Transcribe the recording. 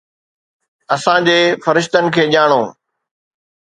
اسان جي فرشتن کي ڄاڻو.